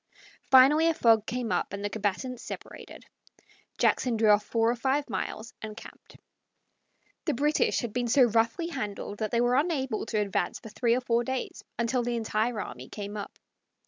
Finally a fog came up and the combatants separated. Jackson drew off four or five miles and camped. The British had been so roughly handled that they were unable to advance for three or four days, until the entire army came up.